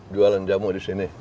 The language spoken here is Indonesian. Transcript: dua lenjamu disini